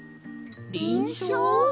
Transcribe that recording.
りんしょう？